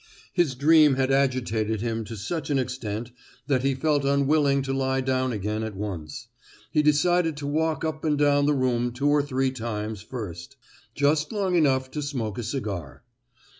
His dream had agitated him to such an extent that he felt unwilling to lie down again at once; he decided to walk up and down the room two or three times first, just long enough to smoke a cigar.